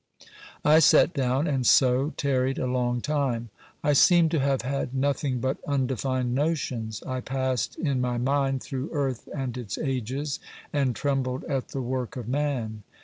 I sat down, and so tarried a long time. I seem to have had nothing but undefined notions. I passed in my mind through earth and its ages, and trembled at the work of man.